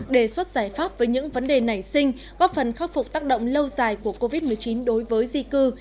đề xuất giải pháp với những vấn đề nảy sinh góp phần khắc phục tác động lâu dài của covid một mươi chín đối với di cư